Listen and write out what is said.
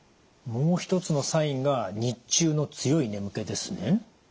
もう一つのサインが日中の強い眠気ですね？